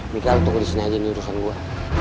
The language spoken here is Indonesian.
mikal tunggu disini aja nih urusan gue